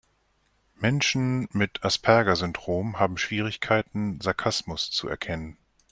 Menschen mit Asperger-Syndrom haben Schwierigkeiten, Sarkasmus zu erkennen.